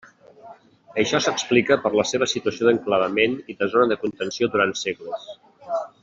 Això s'explica per la seva situació d'enclavament i de zona de contenció durant segles.